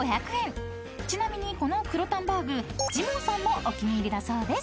［ちなみにこの黒タンバーグジモンさんもお気に入りだそうです］